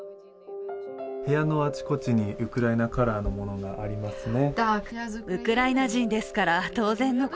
部屋のあちこちにウクライナカラーのものがありますね。